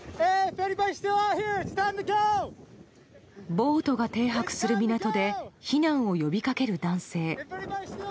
ボートが停泊する港で避難を呼びかける男性。